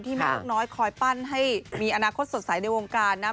แม่นกน้อยคอยปั้นให้มีอนาคตสดใสในวงการนะ